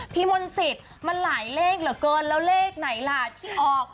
พี่มนต์สิทธิ์มันหลายเลขเหลือเกินแล้วเลขไหนล่ะที่ออก